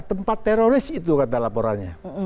tempat teroris itu kata laporannya